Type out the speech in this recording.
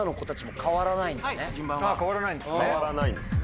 変わらないんですね。